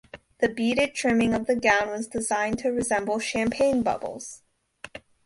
The beaded trimming of the gown was designed to resemble champagne bubbles.